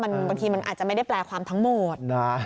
บางทีมันอาจจะไม่ได้แปลความทั้งหมดนะ